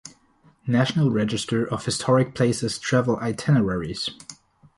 "National Register of Historic Places travel itineraries:"